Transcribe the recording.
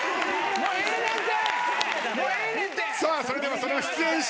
もうええねんて！